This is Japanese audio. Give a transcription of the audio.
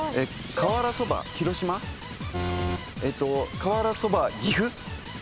瓦そば岐阜？